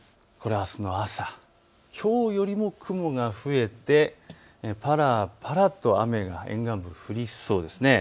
あすの朝、きょうよりも雲が増えてぱらぱらと雨が沿岸部、降りそうです。